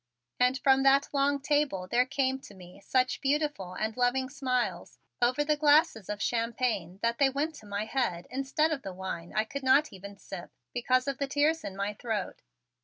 And from that long table there came to me such beautiful and loving smiles over the glasses of champagne that they went to my head instead of the wine I could not even sip because of the tears in my throat.